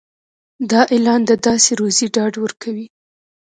دا اعلان د داسې روزي ډاډ ورکوي.